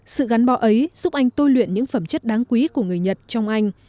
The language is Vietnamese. sự gắn bó ấy giúp anh tôi luyện những phẩm chất đáng quý của người nhật trong anh